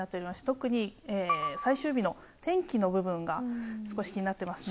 特に最終日の天気の部分が少し気になってますね。